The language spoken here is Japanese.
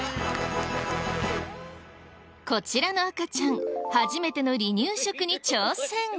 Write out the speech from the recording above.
こちらの赤ちゃん初めての離乳食に挑戦。